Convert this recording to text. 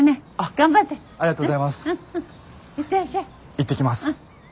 行ってきます。